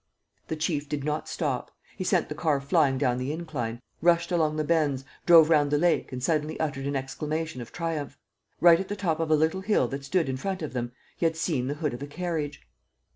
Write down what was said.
The chief did not stop. He sent the car flying down the incline, rushed along the bends, drove round the lake and suddenly uttered an exclamation of triumph. Right at the top of a little hill that stood in front of them, he had seen the hood of a carriage.